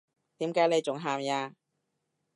點解你仲喊呀？